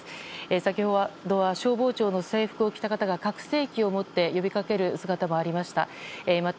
先ほどは消防庁の制服を着た方が拡声器を使って呼びかける姿もありました。